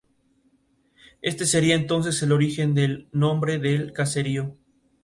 Está a punto de terminar un mitin presidencial en Indiana.